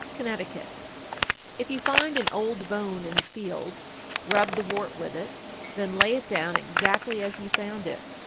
Connecticut. 887. If you find an old bone in the field, rub the wart with it, then lay it down exactly as you found it.